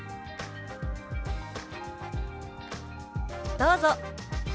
どうぞ。